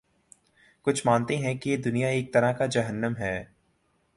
کچھ مانتے ہیں کہ یہ دنیا ایک طرح کا جہنم ہے۔